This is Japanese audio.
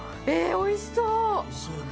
おいしそうだね。